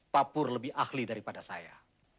pak pur lebih ahli daripada saya